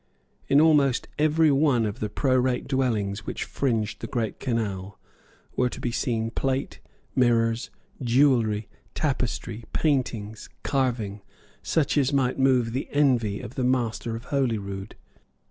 In almost every one of the prorate dwellings which fringed the Great Canal were to be seen plate, mirrors, jewellery, tapestry, paintings, carving, such as might move the envy of the master of Holyrood.